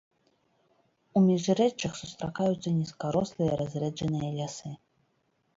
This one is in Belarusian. У міжрэччах сустракаюцца нізкарослыя разрэджаныя лясы.